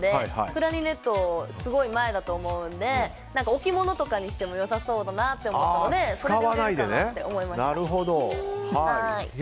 クラリネットはすごい前だと思うので置物とかにしても良さそうだなと思ったのでそれで売れるかなと思いました。